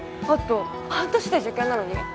あと半年で受験なのに。